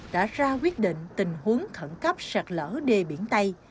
đã ra quyết định tình huống khẩn cấp sạt lở đê biển tây